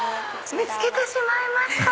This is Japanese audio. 見つけてしまいました！